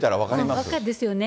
分かりますよね。